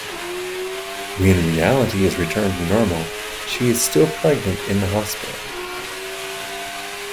When reality is returned to normal she is still pregnant in the hospital.